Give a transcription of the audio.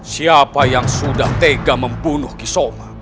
siapa yang sudah tega membunuh kisoma